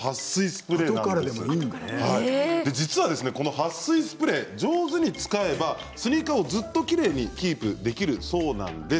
はっ水スプレーを上手に使えばスニーカーをずっときれいにキープできるそうです。